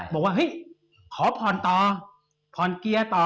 บอกว่าเฮ้ยขอพรต่อพรเกียร์ต่อ